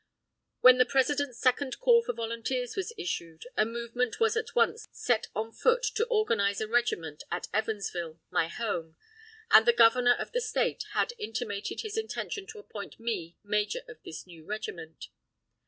When the President's second call for volunteers was issued, a movement was at once set on foot to organize a regiment at Evansville, my home, and the Governor of the State had intimated his intention to appoint me major of this new regiment.